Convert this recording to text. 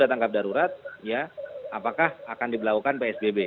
apakah akan diberlakukan psbb